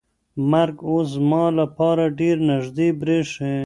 مرګ اوس زما لپاره ډېر نږدې برېښي.